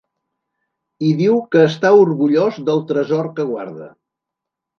I diu que està orgullós del tresor que guarda.